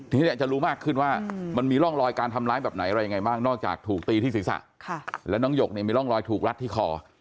ทีนี้จะรู้มากขึ้นว่ามันมีร่องรอยการทำร้ายแบบไหนอะไรยังไงบ้างนอกจากถูกตีที่ศีรษะแล้วน้องหยกเนี่ยมีร่องรอยถูกรัดที่คอ